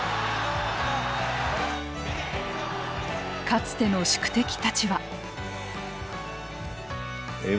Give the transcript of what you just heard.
かつての宿敵たちは。